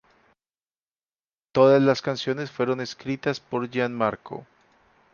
Todas las canciones fueron escritas por Gian Marco.